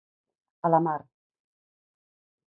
A la mar!